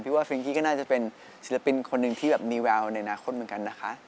ว่าฟิงกี้ก็น่าจะเป็นศิลปินคนหนึ่งที่แบบมีแววในอนาคตเหมือนกันนะคะ